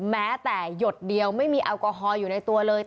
แม้แต่หยดเดียวไม่มีแอลกอฮอลอยู่ในตัวเลย